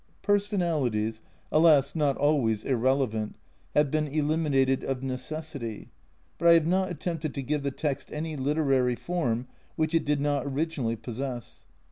Personalities (alas, not always irrelevant I) have been eliminated of necessity, but I have not attempted to give the text any literary form which it did not originally possess.